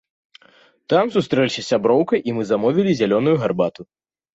Там сустрэліся з сяброўкай і мы замовілі зялёную гарбату.